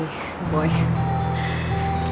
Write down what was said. selamat berbelanja dan terima kasih